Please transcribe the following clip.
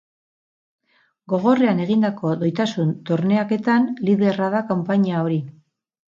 Gogorrean egindako doitasun-torneaketan liderra da konpainia hori.